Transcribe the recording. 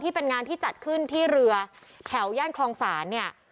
เป็นงานที่จัดขึ้นที่เรือแถวย่านคลองศาลเนี่ย